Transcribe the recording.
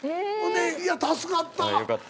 いや助かった。